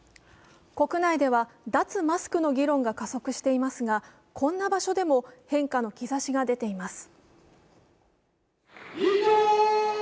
国内では脱マスクの議論が加速していますが、こんな場所でも変化の兆しが出ています。